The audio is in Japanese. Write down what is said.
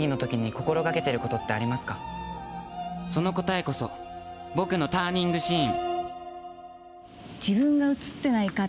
その答えこそ僕のターニングシーン